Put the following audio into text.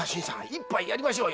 一杯やりましょう。